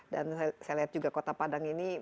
dan saya lihat juga kota padang itu sendiri